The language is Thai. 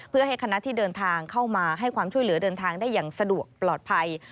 เพื่อให้คณะที่เดินทางเข้ามาให้ความช่วยเหลือเดินทางได้อย่างสะดวกปลอดภัย